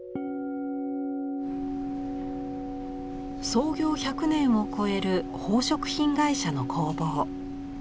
創業１００年を超える宝飾品会社の工房。